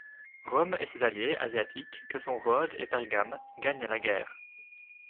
Rome et ses alliés asiatiques que sont Rhodes et Pergame gagnent la guerre.